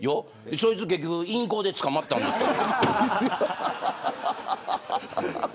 そいつ結局淫行で捕まったんですけど。